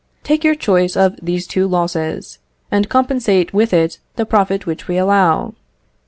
Take your choice of these two losses, and compensate with it the profit which we allow.